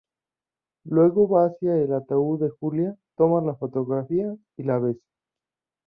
Luego va hacia el ataúd de Julia, toma la fotografía y la besa.